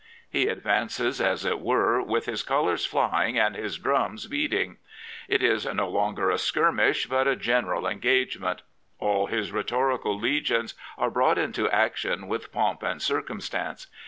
He advances, as it were, with his colours flying and his drums beating. It is no longer a skirmish, but a general engagement. All his rhetorical legions are brought into action with pomp and circumstance.